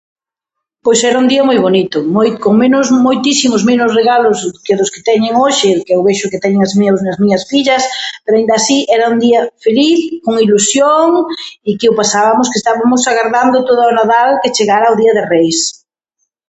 Pois era un día moi bonito, moi- con menos, moitísimos menos regalos que dos que teñen hoxe, que eu vexo que teñen os meus coas miñas fillas, pero aínda así era un día feliz, con ilusión i que o pasabamos que estabamos agardando todo o nadal que chegara o día de reis.